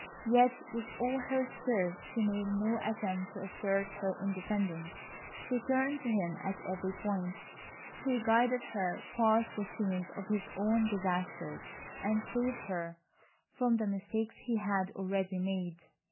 Yet with all her spirit she made no attempt to assert her independence. She turned to him at every point. He guided her past the scenes of his own disasters and saved her from the mistakes he had already made.